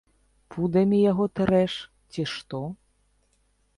Пудамі яго трэш, ці што?